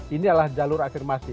ini adalah jalur afirmasi